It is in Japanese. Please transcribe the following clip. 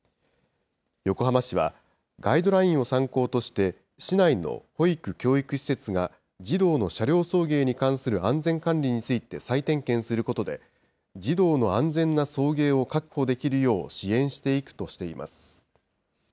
横浜市は、ガイドラインを参考として、市内の保育・教育施設が児童の車両送迎に関する安全管理について再点検することで、児童の安全な送迎を確保できるよう支援していくとしています。